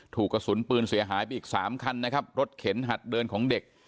ถูกกระสุนปืนเสียหายไปอีกสามคันนะครับรถเข็นหัดเดินของเด็ก